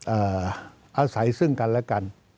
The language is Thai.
เอาใส่ซึ่งกันแล้วกัน